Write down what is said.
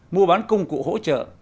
mua bán công cụ hỗ trợ